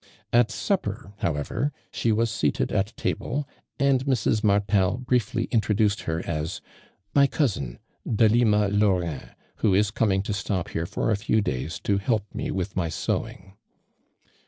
At supper, however, she was seated at table, and Mrs. Martel briefly introduced hei' ah mj cousin, 1 )elima Laurin, whft is cominjg to stop liere for a few days to help me with my se^vin^ng."